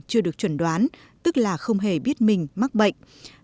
chưa được chuẩn đoán tức là không hề biết mình mắc bệnh